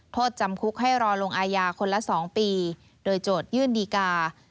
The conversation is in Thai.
โทษจำคุกให้รอลงอายาคนละ๒ปีโดยโจทยื่นดีกา